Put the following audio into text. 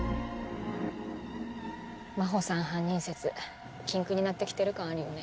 真帆さん犯人説禁句になって来てる感あるよね。